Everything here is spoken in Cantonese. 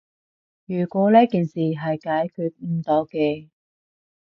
如果呢件事係解決唔到嘅